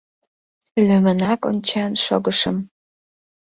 Лӱмынак ончен шогышым.